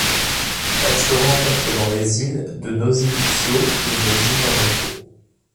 Elle se rencontre dans les îles de Nosy Mitsio et de Nosy Mamoko.